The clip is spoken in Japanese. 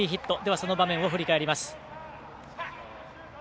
その場面を振り返ります。